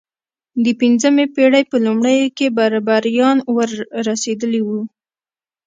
د پنځمې پېړۍ په لومړیو کې بربریان ور رسېدلي وو.